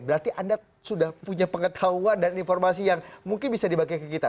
berarti anda sudah punya pengetahuan dan informasi yang mungkin bisa dibagi ke kita